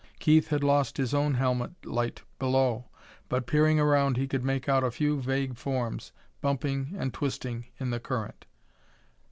Keith had lost his own helmet light below, but peering around he could make out a few vague forms, bumping and twisting in the current.